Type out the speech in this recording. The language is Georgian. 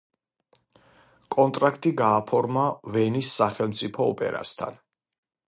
კონტრაქტი გააფორმა ვენის სახელმწიფო ოპერასთან.